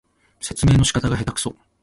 説明の仕方がへたくそ